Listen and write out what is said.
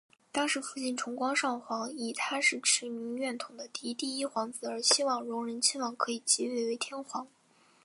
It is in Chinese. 当时父亲崇光上皇以他是持明院统的嫡第一皇子而希望荣仁亲王可以即位为天皇。